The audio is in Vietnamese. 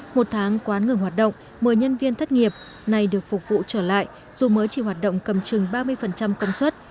một tháng quán ngừng hoạt động một mươi nhân viên thất nghiệp này được phục vụ trở lại dù mới chỉ hoạt động cầm chừng ba mươi công suất